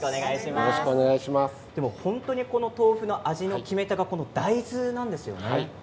本当にこの豆腐の味の決め手が大豆なんですよね。